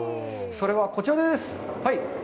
それは、こちらです！